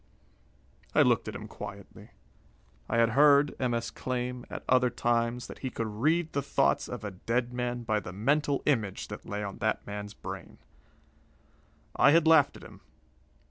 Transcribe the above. I looked at him quietly. I had heard M. S. claim, at other times, that he could read the thoughts of a dead man by the mental image that lay on that man's brain. I had laughed at him.